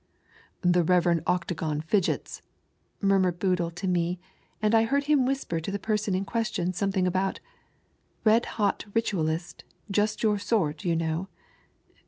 "The Rev. Octagon Fidgets," niurmiired Boodle to me, and I heard him whisper to the person in quDBtion something ahout — "Eed hot Eitualist — just your sort, you know